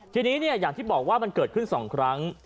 ทีนี้อย่างที่บอกว่ามันเกิดขึ้น๒ครั้ง